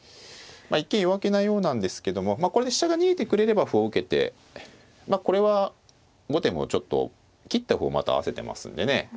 まあ一見弱気なようなんですけどもこれで飛車が逃げてくれれば歩を受けてまあこれは後手もちょっと切った歩をまた合わせてますんでね